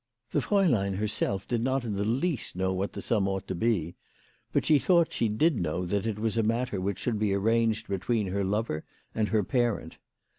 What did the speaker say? The fraulein herself did not in the least know what the sum ought to be ; but she thought she did know that it was a matter which should be arranged between her lover and her parent.